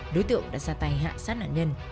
đối tượng đã ra tay hạ sát nạn nhân